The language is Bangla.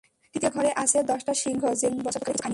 তৃতীয় ঘরে আছে দশটা সিংহ, যেগুলো তিন বছর ধরে কিছু খায়নি।